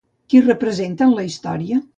Qui representa en la història?